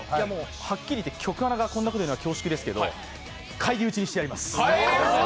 はっきり言って局アナがこんなこと言うの恐縮ですけど返り討ちにしてやります！